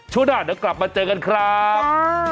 ช่วงหน้าเดี๋ยวกลับมาเจอกันครับ